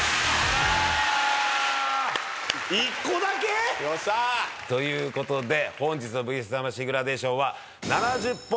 １個だけ？ということで本日の『ＶＳ魂』グラデーションは。